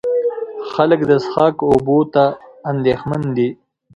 خلک د څښاک اوبو ته اندېښمن دي.